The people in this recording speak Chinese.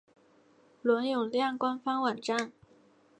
伦永亮官方网站